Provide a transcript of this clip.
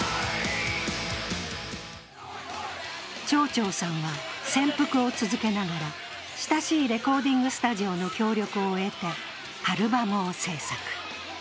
チョーチョーさんは潜伏を続けながら親しいレコーディングスタジオの協力を得てアルバムを制作。